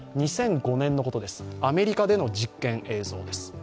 ２００５年のことです、アメリカでの実験映像です。